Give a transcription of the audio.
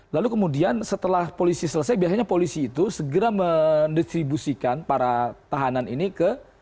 lalu kemudian setelah polisi selesai biasanya polisi itu segera mendistribusikan para tahanan ini ke